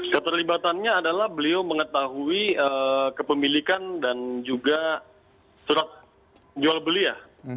keterlibatannya adalah beliau mengetahui kepemilikan dan juga surat jual beli ya